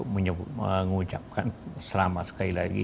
mengucapkan selama sekali lagi